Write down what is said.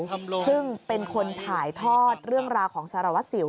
ซึ่งเป็นคนถ่ายทอดเรื่องราวของสารวัสสิว